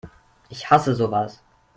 Ich hasse sowas!